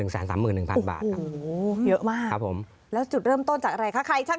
สนุนโดยอีซุสุข